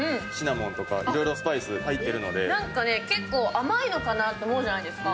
結構、甘いのかと思うじゃないですか。